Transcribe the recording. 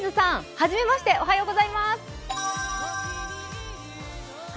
初めましておはようございます。